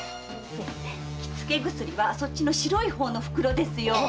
気付け薬はそっちの白い方の袋ですよ！